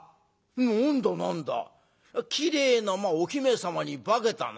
「何だ何だきれいなお姫様に化けたな。